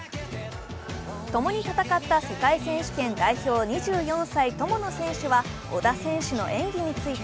共に戦った世界選手権代表２４歳、友野選手は織田選手の演技について